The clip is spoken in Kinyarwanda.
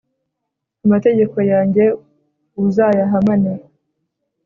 amategeko yanjye uzayahamane